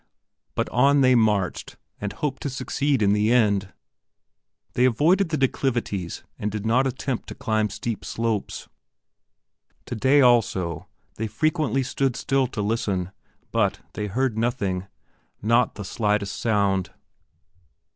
But on they marched and hoped to succeed in the end. They avoided the declivities and did not attempt to climb steep slopes. Today also they frequently stood still to listen; but they heard nothing, not the slightest sound.